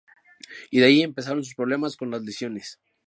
Y ahí empezaron sus problemas con las lesiones.